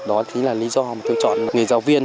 đó chính là lý do mà tôi chọn nghề giáo viên